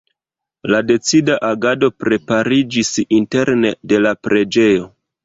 La decida agado prepariĝis interne de la preĝejo.